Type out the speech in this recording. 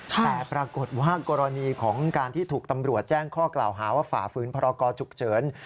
แต่ปรากฏว่ากรณีของการที่ถูกตำรวจแจ้งข้อกล่าวหาว่าฝ่าฝืนพรกรฉุกเฉิน